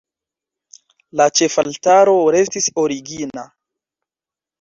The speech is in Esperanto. La ĉefaltaro restis origina.